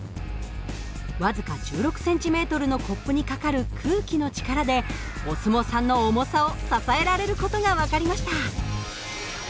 僅か１６ｃｍのコップにかかる空気の力でお相撲さんの重さを支えられる事が分かりました。